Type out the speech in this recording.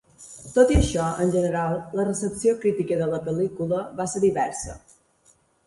Tot i això, en general, la recepció crítica de la pel·lícula va ser diversa.